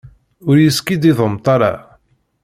Ur iyi-skikkiḍemt ara!